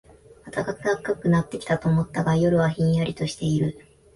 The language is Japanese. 暖かくなってきたと思ったが、夜はひんやりとしている